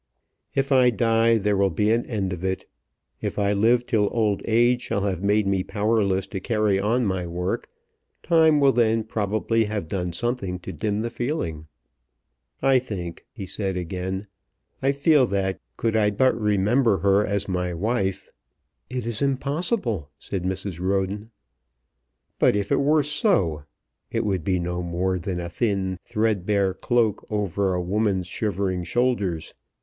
"If I die there will be an end of it. If I live till old age shall have made me powerless to carry on my work, time will then probably have done something to dim the feeling." "I think," he said again; "I feel that could I but remember her as my wife " "It is impossible," said Mrs. Roden. "But if it were so! It would be no more than a thin threadbare cloak over a woman's shivering shoulders.